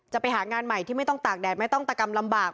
ไปหางานใหม่ที่ไม่ต้องตากแดดไม่ต้องตะกำลำบาก